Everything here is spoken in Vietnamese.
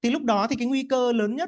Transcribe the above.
lúc đó thì cái nguy cơ lớn nhất